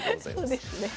そうですね。